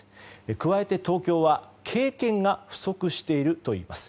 加えて東京は経験が不足しているといいます。